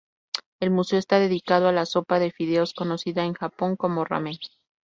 El museo está dedicado a la sopa de fideos conocida en Japón como ramen.